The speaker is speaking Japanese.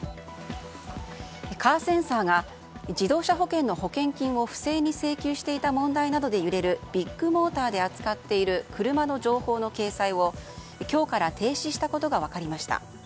カーセンサーが自動車保険の保険金を不正に請求していた問題などで揺れるビッグモーターで扱っている車の情報の掲載を今日から停止したことが分かりました。